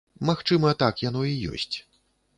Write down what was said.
Магчыма, так яно і ёсць.